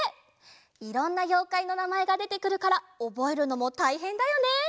いろんなようかいのなまえがでてくるからおぼえるのもたいへんだよね。